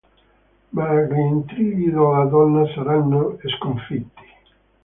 Ma gli intrighi della donna saranno sconfitti.